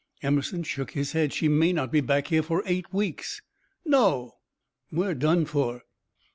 Emerson shook his head. "She may not be back here for eight weeks. No! We're done for."